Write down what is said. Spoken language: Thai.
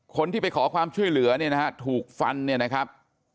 คนที่ไปขอความช่วยเหลือเนี่ยนะฮะถูกฟันเนี่ยนะครับ